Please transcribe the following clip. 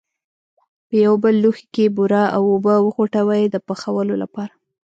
په یو بل لوښي کې بوره او اوبه وخوټوئ د پخولو لپاره.